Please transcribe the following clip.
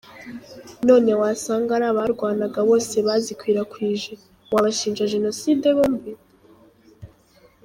None wasanga ari abarwanaga bose bazikwirakwije, wabashinja jenoside bombi ?